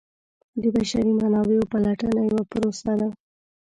د بشري منابعو پلټنه یوه پروسه ده.